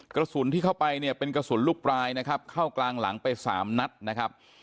กระสุนที่เข้าไปเนี่ยเป็นกระสุนลูกปลายนะครับเข้ากลางหลังไปสามนัดนะครับ